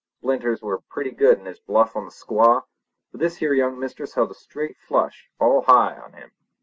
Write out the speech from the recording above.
Splinters was pretty good in his bluff on the squaw, but this here young miss held a straight flush all high on him.